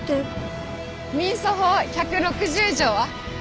民訴法１６０条は？